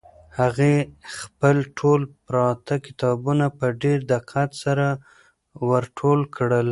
هغې خپل ټول پراته کتابونه په ډېر دقت سره ور ټول کړل.